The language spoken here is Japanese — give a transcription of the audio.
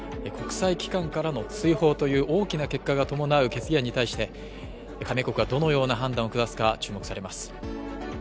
国際機関からの追放という大きな結果が伴う決議案に対して関連国がどのような判断を下すか注目されます